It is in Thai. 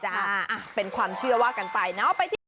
อ่ะเป็นความเชื่อว่ากันไปเนาะ